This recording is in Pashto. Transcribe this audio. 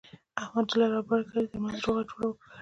احمد د لر او بر کلي ترمنځ روغه جوړه وکړله.